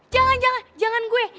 jangan jangan jangan gue